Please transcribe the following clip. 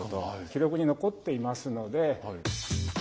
記録に残っていますので。